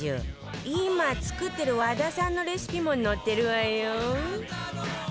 今作ってる和田さんのレシピも載ってるわよ